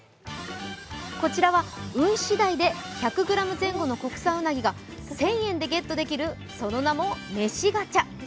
こちらは運しだいで１００ｇ前後の国産うなぎが１０００円でゲットできるその名も、めしガチャ。